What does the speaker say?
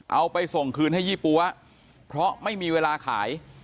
เอาไปส่งคืนให้ยี่ปั๊วเพราะไม่มีเวลาขาย